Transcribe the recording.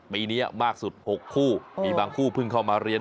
ปีนี้มากสุด๖คู่มีบางคู่เพิ่งเข้ามาเรียน